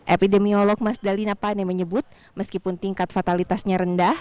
epidemiolog mas dali napane menyebut meskipun tingkat fatalitasnya rendah